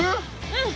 うん。